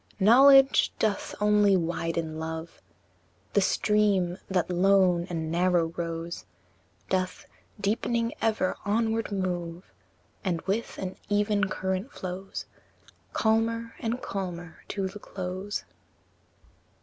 V. Knowledge doth only widen love; The stream, that lone and narrow rose, Doth, deepening ever, onward move, And with an even current flows Calmer and calmer to the close.